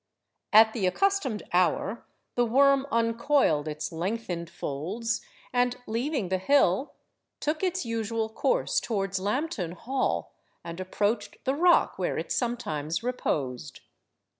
At the accustomed hour the worm uncoiled its lengthened folds, and, leaving the hill, took its usual course towards Lambton Hall, and approached the rock where it sometimes reposed.